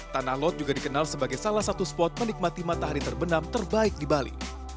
tanah lot juga dikenal sebagai salah satu spot menikmati matahari terbenam terbaik di bali